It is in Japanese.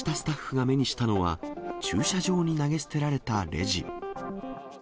早朝のスキー場で、出社したスタッフが目にしたのは、駐車場に投げ捨てられたレジ。